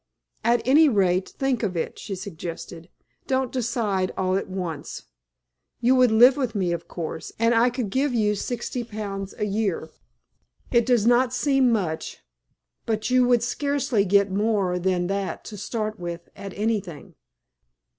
"At any rate, think of it," she suggested. "Don't decide all at once. You would live with me, of course, and I could give you sixty pounds a year. It does not seem much, but you would scarcely get more than that to start with at anything.